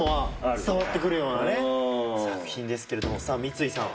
伝わってくるようなね作品ですけれどもさあ三井さん